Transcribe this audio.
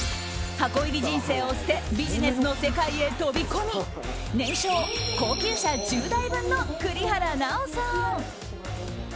箱入り人生を捨てビジネスの世界へ飛び込み年商高級車１０台分の栗原菜緒さん。